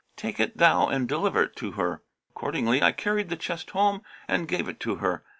Take it thou and deliver it to her.' Accordingly I carried the chest home and gave it to her.